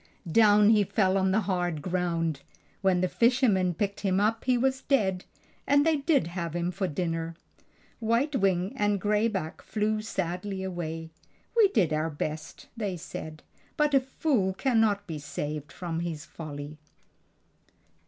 Down he fell on the hard ground. When the fishermen picked him up he was dead and they did have him for dinner. White Wings and Gray Back flew sadly away. "We did our best," they said; "but a fool cannot be saved from his folly."